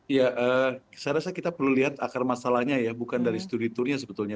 ya saya rasa kita perlu lihat akar masalahnya ya bukan dari studi tournya sebetulnya